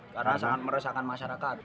karena sangat meresahkan masyarakat